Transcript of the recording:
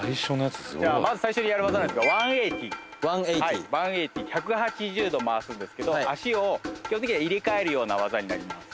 まず最初にやる技なんですけどワンエイティワンエイティ１８０度回すんですけど足を基本的には入れ替えるような技になります